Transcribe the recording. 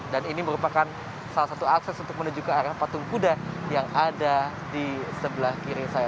dan ini merupakan salah satu akses untuk menuju ke arah patung kuda yang ada di sebelah kiri saya